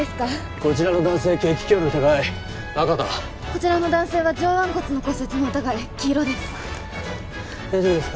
こちらの男性血気胸の疑い赤だこちらの男性は上腕骨の骨折の疑い黄色です大丈夫ですか？